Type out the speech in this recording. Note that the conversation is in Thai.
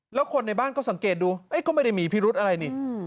แล้วคนในบ้านก็สังเกตดูก็ไม่ได้มีพิรุธอะไรนี่